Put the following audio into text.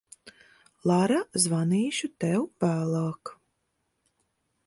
Lara, zvanīšu tev vēlāk.